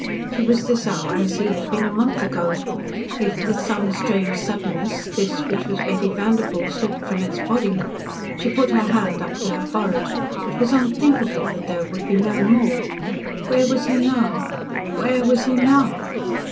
She was this hour as he had been a month ago. If, with some strange suddenness, this which was Betty Vanderpoel, slipped from its body She put her hand up to her forehead. It was unthinkable that there would be no more. Where was he now where was he now?